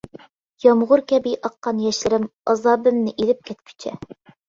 يامغۇر كەبى ئاققان ياشلىرىم، ئازابىمنى ئېلىپ كەتكۈچە.